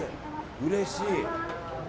うれしい。